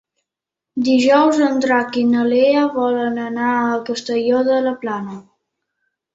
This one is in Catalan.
Dijous en Drac i na Lea volen anar a Castelló de la Plana.